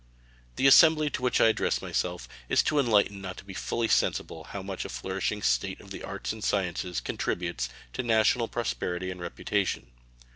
The assembly to which I address myself is too enlightened not to be fully sensible how much a flourishing state of the arts and sciences contributes to national prosperity and reputation.